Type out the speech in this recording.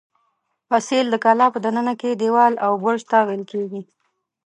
فصیل د کلا په دننه کې دېوال او برج ته ویل کېږي.